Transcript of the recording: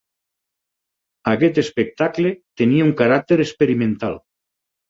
Aquest espectacle tenia un caràcter experimental.